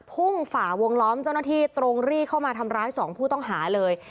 ฝ่าวงล้อมเจ้าหน้าที่ตรงรีเข้ามาทำร้ายสองผู้ต้องหาเลย